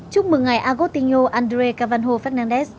chúc mừng ngày agostinho andré de cavanjo fernandez